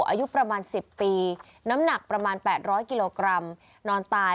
อายุประมาณ๑๐ปีน้ำหนักประมาณ๘๐๐กิโลกรัมนอนตาย